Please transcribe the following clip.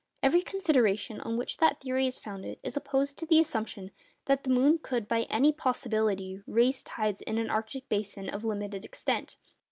Every consideration on which that theory is founded is opposed to the assumption that the moon could by any possibility raise tides in an arctic basin of limited extent.